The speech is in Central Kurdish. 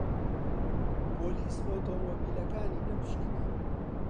پۆلیس ئۆتۆمۆبیلەکانی دەپشکنی.